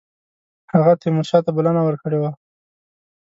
هغه تیمورشاه ته بلنه ورکړې وه.